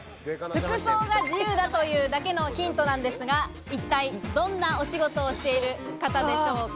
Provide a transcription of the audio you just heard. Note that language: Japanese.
服装が自由だというだけのヒントなんですが一体どんなお仕事をしている方でしょうか？